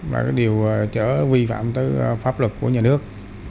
là điều trở vi phạm tới pháp luật của nhà nước